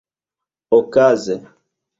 okaze